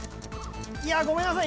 いやごめんなさい。